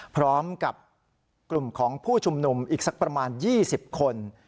พร้อมกับกลุ่มของผู้ชุมนุมอีกสักประมาณ๒๐คน